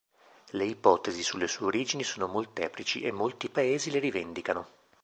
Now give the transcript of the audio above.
Le ipotesi sulle sue origini sono molteplici e molti paesi le rivendicano.